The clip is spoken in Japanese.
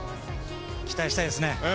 期待したいですね。